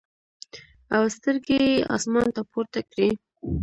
او سترګې ئې اسمان ته پورته کړې ـ